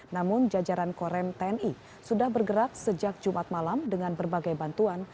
namun jajaran korem tni sudah bergerak sejak jumat malam dengan berbagai bantuan